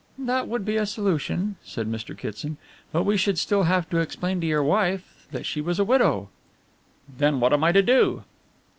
"That would be a solution," said Mr. Kitson, "but we should still have to explain to your wife that she was a widow." "Then what am I to do?"